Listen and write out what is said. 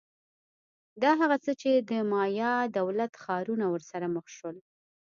دا هغه څه چې د مایا دولت ښارونه ورسره مخ شول